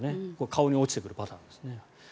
顔に落ちてくるパターンですね。